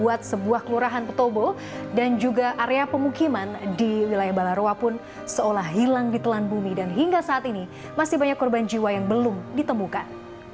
area pemukiman di wilayah balaroa pun seolah hilang di telan bumi dan hingga saat ini masih banyak korban jiwa yang belum ditemukan